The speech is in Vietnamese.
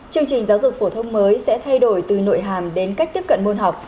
chương trình giáo dục phổ thông mới sẽ thay đổi từ nội hàm đến cách tiếp cận môn học